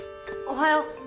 おはよう。